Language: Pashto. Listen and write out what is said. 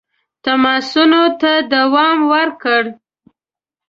تماسونو ته دوام ورکړ.